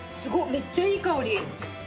めっちゃいい香り。